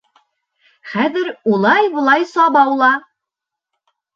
Хәҙер улай-былай сабаула!